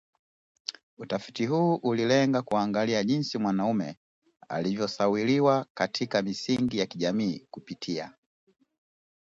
Utafiti huu ulilenga kuangalia jinsi mwanamume alivyosawiriwa katika misingi ya kijamii kupitia